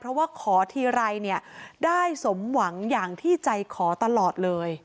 เพราะว่าขอทีไรเนี่ยได้สมหวังอย่างที่ใจขอตลอดเลย